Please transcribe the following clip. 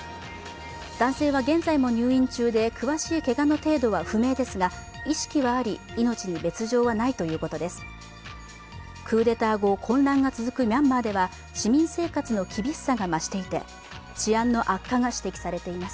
男性は現在も入院中で詳しいけがの程度は不明ですが意識はあり命に別状はないということです。